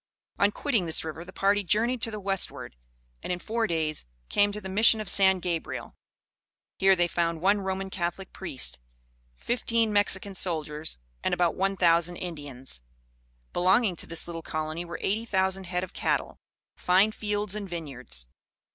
On quitting this river, the party journeyed to the westward, and, in four days, came to the Mission of San Gabriel. Here they found one Roman Catholic priest, fifteen Mexican soldiers, and about one thousand Indians. Belonging to this little colony were eighty thousand head of cattle, fine fields and vineyards.